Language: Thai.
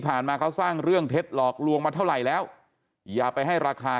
มาเขาสร้างเรื่องเท็จหลอกลวงมาเท่าไหร่แล้วอย่าไปให้ราคา